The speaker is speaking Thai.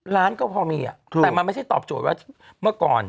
ล้านก็พอมีแต่มันไม่ใช่ตอบโจทย์ว่าเมื่อก่อน